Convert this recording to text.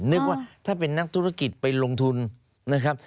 นึกว่าถ้าเป็นนักธุรกิจไปลงทุนนะครับ